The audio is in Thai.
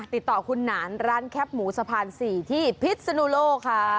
ติดต่อคุณหนานร้านแคปหมูสะพาน๔ที่พิษนุโลกค่ะ